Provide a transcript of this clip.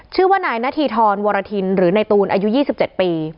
ชื่อว่านายนาธีทรวรทินหรือในตูนอายุ๒๗ปี